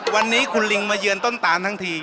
วันนี้คุณลิงมาเยือนต้นตานทั้งที